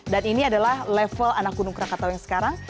dan ini adalah level anak gunung krakatau yang sekarang